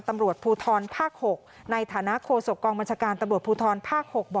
ตำรวจภูทรภาค๖ในฐานะโคศกองบัญชาการตำรวจภูทรภาค๖